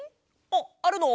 あっあるの？